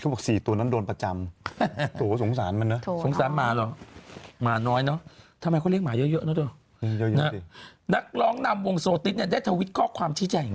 เขาบอกสี่ตัวนั้นโดนประจำ